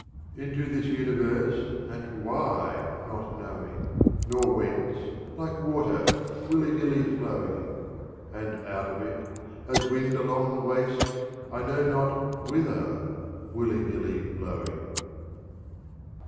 XXIX. Into this Universe, and Why not knowing Nor Whence, like Water willy nilly flowing ; And out of it, as Wind along the Waste, I know not Whither, willy nilly blowing.